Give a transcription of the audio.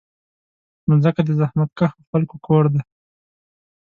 مځکه د زحمتکښو خلکو کور ده.